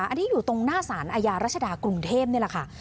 อันนี้อยู่ตรงหน้าสารอาญารัชดากรุงเทพนี่แหละค่ะ